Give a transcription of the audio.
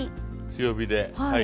強火で。